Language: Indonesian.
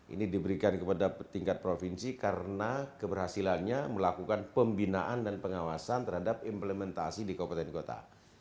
ini diberikan kepada tingkat provinsi karena keberhasilannya melakukan pembinaan dan pengawasan terhadap implementasi di kabupaten kota